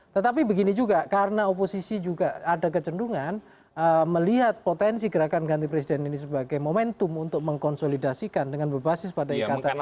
tetapi begini juga karena oposisi juga ada kecendungan melihat potensi gerakan ganti presiden ini sebagai momentum untuk mengkonsolidasikan dengan berbasis pada ikatan